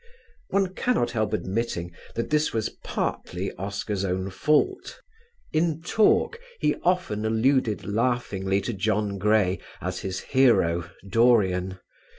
One cannot help admitting that this was partly Oscar's own fault. In talk he often alluded laughingly to John Gray as his hero, "Dorian."